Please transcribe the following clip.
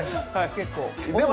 結構。